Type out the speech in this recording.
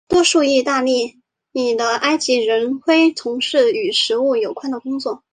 多数义大利的埃及人恢从事与食物有关的工作。